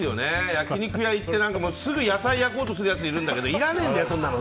焼き肉屋に行ってすぐ野菜焼こうとするやついるんだけどいらねえんだよ、そんなの。